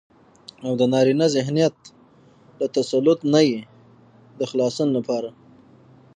او دنارينه ذهنيت له تسلط نه يې د خلاصون لپاره